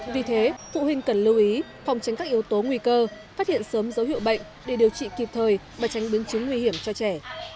vì thế phụ huynh cần lưu ý phòng tránh các yếu tố nguy cơ phát hiện sớm dấu hiệu bệnh để điều trị kịp thời và tránh biến chứng nguy hiểm cho trẻ